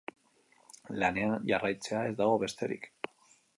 Lanean jarraitzea, ez dago besterik.